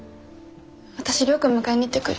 私亮君迎えに行ってくる。